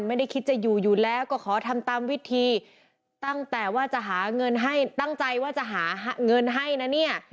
ไม่ได้คิดจะอยู่อยู่แล้วก็ขอทำตามวิธีตั้งแต่ว่าจะหาเงินให้ตั้งใจว่าจะหาเงินให้นะเนี่ย